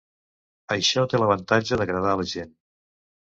Això té l'avantatge d'agradar a la gent.